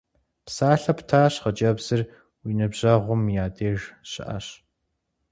Псалъэ птащ, хъыджэбзыр уи ныбжьэгъум я деж щыӀэщ.